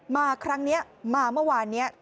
มาครั้งนี้มาเมื่อวานนี้